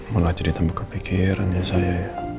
malah jadi tambah kepikirannya saya